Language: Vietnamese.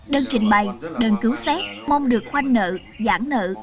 đơn trình bày đơn cứu xét mong được khoanh nợ giãn nợ